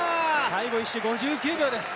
最後の１周５９秒です。